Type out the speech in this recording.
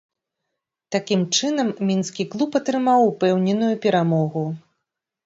Такім чынам, мінскі клуб атрымаў упэўненую перамогу.